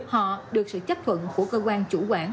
họ được sự chấp thuận của cơ quan chủ quản